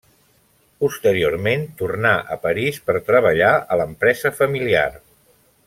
Posteriorment tornà a París per treballar a l'empresa familiar.